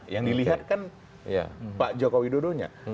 yang dilihat kan pak jokowi dodonya